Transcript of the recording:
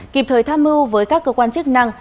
kịp thời tham mưu với các cơ quan chức năng